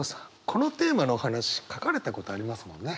このテーマのお話書かれたことありますもんね？